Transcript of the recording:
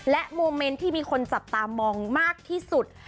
โมเมนต์ที่มีคนจับตามองมากที่สุด